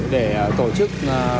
để tổ chức